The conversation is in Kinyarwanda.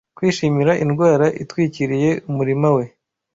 Kwishimira indwara itwikiriye umurima we